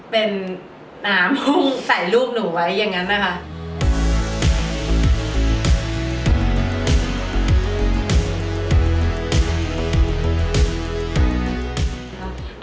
เป็นน้ำห้องใส่รูปหนูไว้อย่างนั้นนะคะ